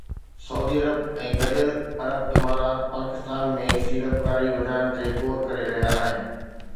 سعودي عرب ۽ گڏيل عرب امارات پاڪستان ۾ سيڙپڪاري وڌائڻ تي غور ڪري رهيا آهن